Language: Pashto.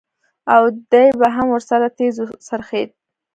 او دى به هم ورسره تېز وڅرخېد.